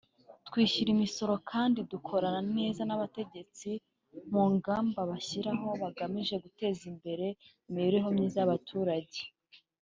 twishyura imisoro kandi dukorana neza n’abategetsi mu ngamba bashyiraho bagamije guteza imbere imibereho myiza y’abaturage